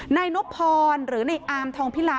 นายนพรหรือนายอามทองพิรา